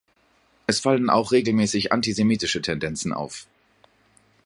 Es fallen auch regelmäßig antisemitische Tendenzen auf.